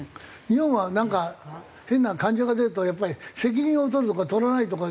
日本はなんか変な感情が出るとやっぱり責任を取るとか取らないとか